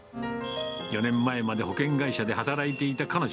４年前まで保険会社で働いていた彼女。